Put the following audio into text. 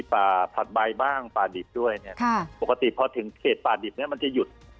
ปกติเพราะถึงเขตฝาดิบเนี่ยมันจะหยุด